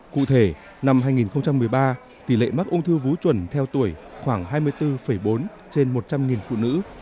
cụ thể năm hai nghìn một mươi ba tỷ lệ mắc ung thư vú chuẩn theo tuổi khoảng hai mươi bốn bốn trên một trăm linh phụ nữ